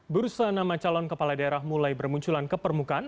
bursa nama calon kepala daerah mulai bermunculan ke permukaan